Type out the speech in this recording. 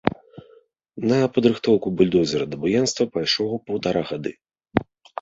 На падрыхтоўку бульдозера да буянства пайшло паўтара гады.